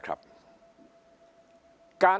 ฝ่ายชั้น